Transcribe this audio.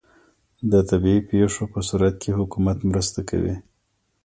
د طبیعي پیښو په صورت کې حکومت مرسته کوي؟